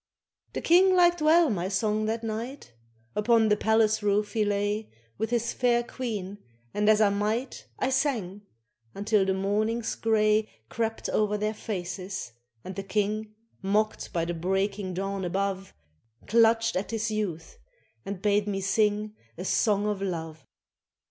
The King liked well my song that night ; Upon the palace roof he lay With his fair Queen, and as I might I sang, until the morning's grey Crept o'er their faces, and the King, Mocked by the breaking dawn above, Clutched at his youth and bade me sing A song of love.